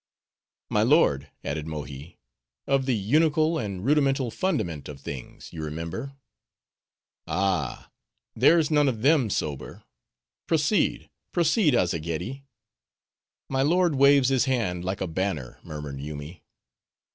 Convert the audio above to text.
"My lord," added Mohi, "of the unical, and rudimental fundament of things, you remember." "Ah! there's none of them sober; proceed, proceed, Azzageddi!" "My lord waves his hand like a banner," murmured Yoomy.